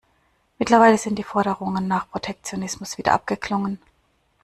Mittlerweile sind die Forderungen nach Protektionismus wieder abgeklungen.